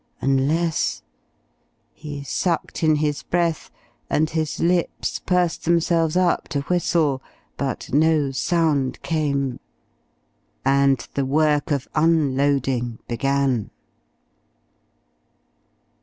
Unless ... he sucked in his breath and his lips pursed themselves up to whistle. But no sound came. And the work of unloading began.